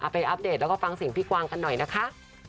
อัปเดตแล้วก็ฟังเสียงพี่กวางกันหน่อยนะคะ